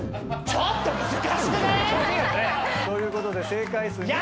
ちょっと難しくねえ⁉ということで正解数２問！